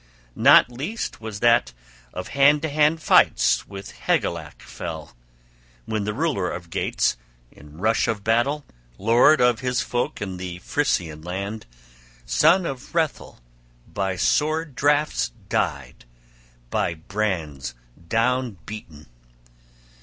Not least was that of hand to hand fights where Hygelac fell, when the ruler of Geats in rush of battle, lord of his folk, in the Frisian land, son of Hrethel, by sword draughts died, by brands down beaten.